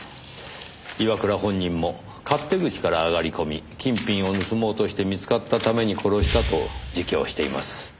岩倉本人も勝手口から上がり込み金品を盗もうとして見つかったために殺したと自供しています。